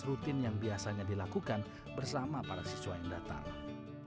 rutin yang biasanya dilakukan bersama para siswa yang datang